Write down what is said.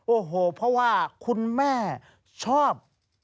โอ้โหเพราะว่าคุณแม่ชอบ